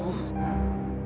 raihulu sudah selesai